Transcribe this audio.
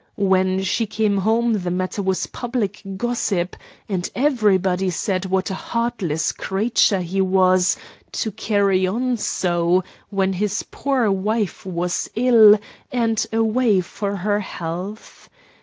When she came home the matter was public gossip! and everybody said what a heartless creature he was to carry on so, when his poor wife was ill, and away for her health.